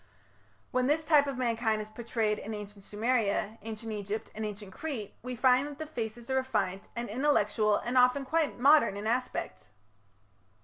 When this type of mankind is portrayed in Ancient Sumeria, Ancient Egypt, and Ancient Crete we find that the faces are refined and intellectual and often quite modern in aspect.